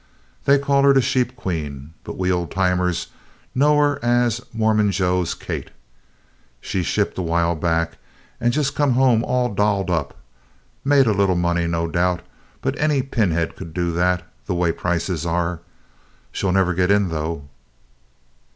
"They call her the 'Sheep Queen,' but we Old Timers know her as 'Mormon Joe's Kate.' She shipped a while back, and just come home all dolled up. Made a little money, no doubt, but any pinhead could do that, the way prices are. She'll never get 'in,' though."